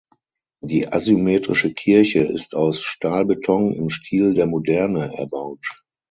Die asymmetrische Kirche ist aus Stahlbeton im Stil der Moderne erbaut.